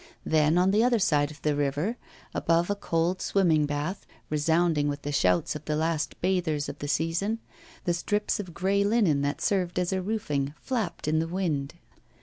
Then on the other side of the river, above a cold swimming bath, resounding with the shouts of the last bathers of the season, the strips of grey linen that served as a roofing flapped in the wind.